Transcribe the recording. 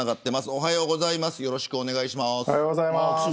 おはようございます。